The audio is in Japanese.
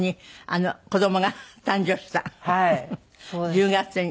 １０月に？